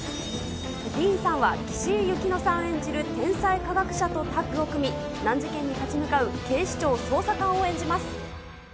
ディーンさんは、岸井ゆきのさん演じる天才科学者とタッグを組み、難事件に立ち向かう警視庁捜査官を演じます。